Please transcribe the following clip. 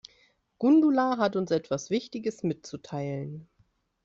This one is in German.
Gundula hat uns etwas wichtiges mitzuteilen.